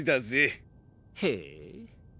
へえ。